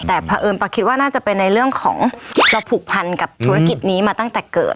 แต่เพราะเอิญป้าคิดว่าน่าจะเป็นในเรื่องของเราผูกพันกับธุรกิจนี้มาตั้งแต่เกิด